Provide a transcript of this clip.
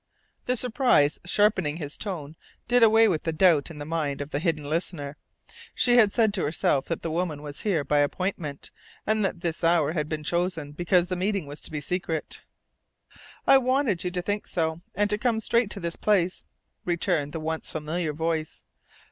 The surprise sharpening his tone did away with the doubt in the mind of the hidden listener. She had said to herself that the woman was here by appointment, and that this hour had been chosen because the meeting was to be secret. "I wanted you to think so, and to come straight to this place," returned the once familiar voice.